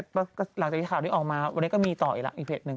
หลังจากที่ข่าวนี้ออกมาวันนี้ก็มีต่ออีกแล้วอีกเพจหนึ่ง